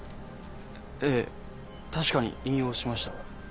ええ確かに引用しました。